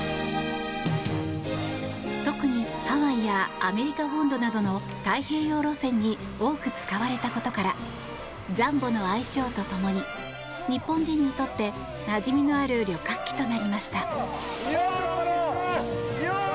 特にハワイやアメリカ本土などの太平洋路線に多く使われたことからジャンボの愛称とともに日本人にとってなじみのある旅客機となりました。